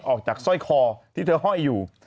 สร้อยคอที่เธอห้อยอยู่